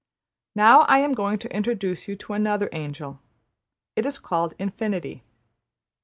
Now I am going to introduce you to another angel. It is called ``Infinity.''